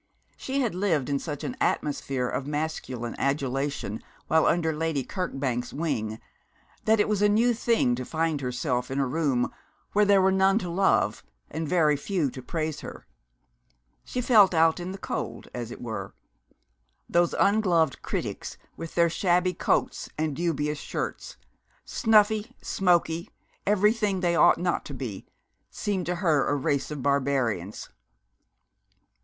She had lived in such an atmosphere of masculine adulation while under Lady Kirkbank's wing that it was a new thing to find herself in a room where there were none to love and very few to praise her. She felt out in the cold, as it were. Those ungloved critics, with their shabby coats and dubious shirts, snuffy, smoky, everything they ought not to be, seemed to her a race of barbarians.